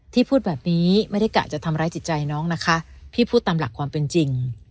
พูดแบบนี้ไม่ได้กะจะทำร้ายจิตใจน้องนะคะพี่พูดตามหลักความเป็นจริง